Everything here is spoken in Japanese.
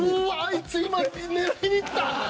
いつ今狙いにいったって。